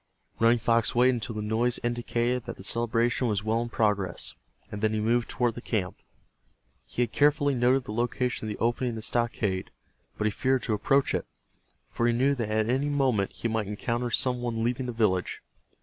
Running Fox waited until the noise indicated that the celebration was well in progress, and then he moved toward the camp. He had carefully noted the location of the opening in the stockade, but he feared to approach it, for he knew that at any moment he might encounter some one leaving the village.